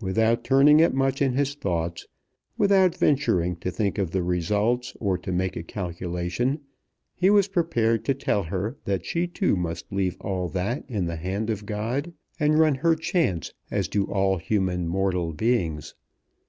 Without turning it much in his thoughts, without venturing to think of the results or to make a calculation, he was prepared to tell her that she too must leave all that in the hand of God, and run her chance as do all human mortal beings.